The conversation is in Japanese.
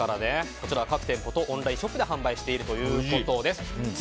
こちらは各店舗とオンラインショップで販売しているということです。